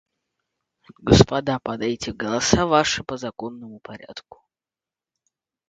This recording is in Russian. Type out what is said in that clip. Господа, подайте голоса ваши по законному порядку.